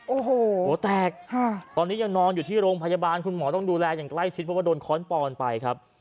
โอ้โหหัวแตกตอนนี้ยังนอนอยู่ที่โรงพยาบาลคุณหมอต้องดูแลอย่างใกล้ชิดเพราะว่าโดนค้อนปอนไปครับ